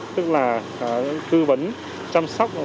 tức là tư vấn chăm sóc và hỗ trợ bệnh nhân khi họ cần đến